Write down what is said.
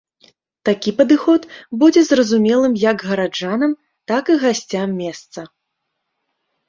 Такі падыход будзе зразумелым як гараджанам, так і гасцям месца.